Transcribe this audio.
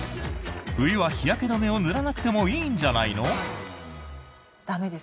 冬は日焼け止めを塗らなくてもいいんじゃないの？